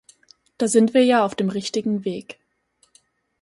Da sind wir ja auf dem richtigen Weg.